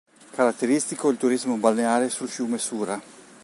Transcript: Caratteristico il turismo balneare sul fiume Sura.